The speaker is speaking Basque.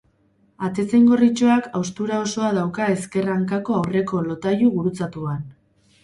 Atezain gorritxoak haustura osoa dauka ezker hankako aurreko lotailu gurutzatuan.